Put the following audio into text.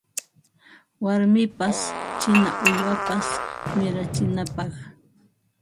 Warmipas china uywapas mirachinapaq